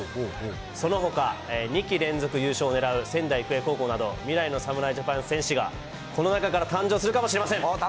そのほか、２期連続優勝をねらう仙台育英高校など、未来の侍ジャパン選手が、この中から誕生する楽しみ。